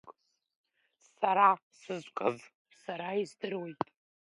Сара сызкыз сара издыруеит.